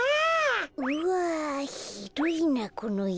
うわひどいなこのいえ。